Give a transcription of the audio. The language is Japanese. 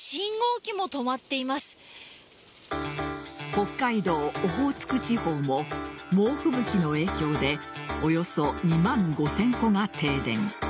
北海道オホーツク地方も猛吹雪の影響でおよそ２万５０００戸が停電。